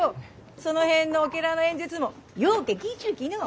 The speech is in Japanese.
その辺のオケラの演説もようけ聞いちゅうきのう。